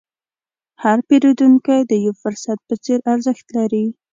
هر پیرودونکی د یو فرصت په څېر ارزښت لري.